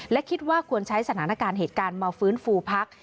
และคิดว่าควรใช้สถานการณ์เหตุการณ์มาฟื้นฟูพัก